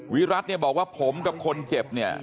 วิรัติเนี่ยบอกว่าผมกับคนเจ็บเนี่ย